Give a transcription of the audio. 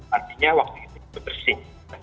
artinya waktu itu bersih